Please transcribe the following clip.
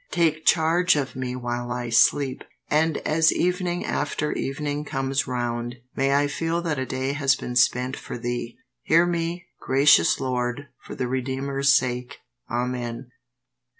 Take charge of me while I sleep, and as evening after evening comes round may I feel that a day has been spent for Thee. Hear me, gracious Lord, for the Redeemer's sake. Amen.